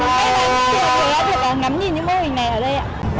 mọi người đã được ổn nắm nhìn những mô hình này ở đây ạ